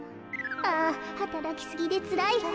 あはたらきすぎでつらいわ。